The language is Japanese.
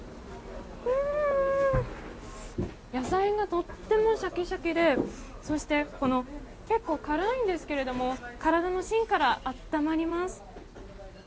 野菜がとってもシャキシャキでそして、結構辛いんですけど体の芯から温まります。